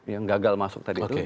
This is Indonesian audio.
yang gagal masuk tadi itu